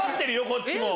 こっちも。